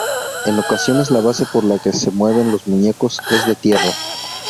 En ocasiones la base por la que se mueven los muñecos es de tierra.